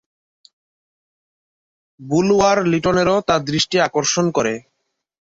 বুলওয়ার-লিটনেরও তা দৃষ্টি আকর্ষণ করে।